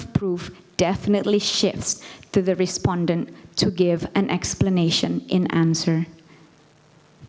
peraturan bukti pasti berubah ke penyanyi untuk memberikan penjelasan dalam jawaban